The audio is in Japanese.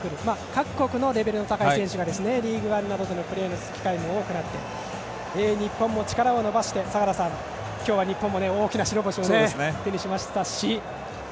各国のレベルの高い選手がリーグワンなどでプレーする機会が多くなって日本も力を伸ばしていて今日は日本も大きな白星を手にしました。